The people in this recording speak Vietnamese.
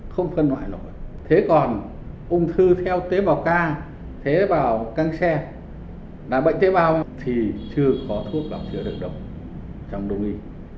không phân loại nổi thế còn ung thư theo tế bào ca tế bào cang xe là bệnh tế bào thì chưa có thuốc đọc chữa được đâu trong đông y